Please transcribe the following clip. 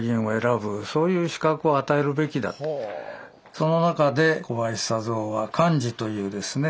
その中で小林佐三は幹事というですね